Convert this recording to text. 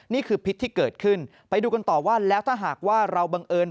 พิษที่เกิดขึ้นไปดูกันต่อว่าแล้วถ้าหากว่าเราบังเอิญ